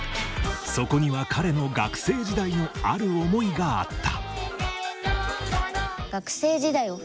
そこには彼の学生時代のある思いがあった。